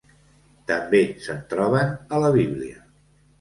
També se'n troben a la Bíblia.